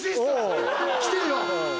来てるよ。